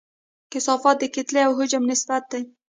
کثافت د کتلې او حجم نسبت دی.